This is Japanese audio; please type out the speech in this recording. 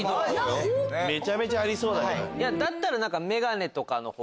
めちゃめちゃありそう。